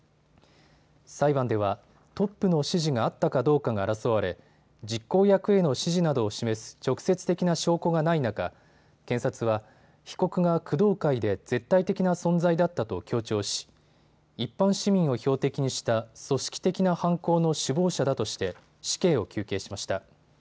裁判ではトップの指示があったかどうかが争われ実行役への指示などを示す直接的な証拠がない中、検察は被告が工藤会で絶対的な存在だったと強調し一般市民を標的にした組織的な犯行の首謀者だとして死刑を求刑しました。